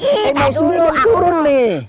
eh mau suruh suruh nih